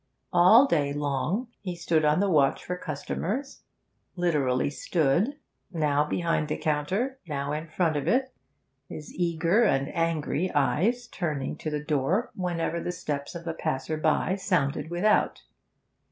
All day long he stood on the watch for customers literally stood, now behind the counter, now in front of it, his eager and angry eyes turning to the door whenever the steps of a passer by sounded without.